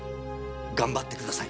頑張ってください。